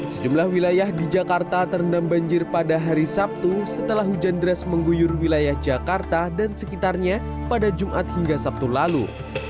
sejumlah wilayah di jakarta terendam banjir pada hari sabtu setelah hujan deras mengguyur wilayah jakarta dan sekitarnya pada jumat hingga sabtu lalu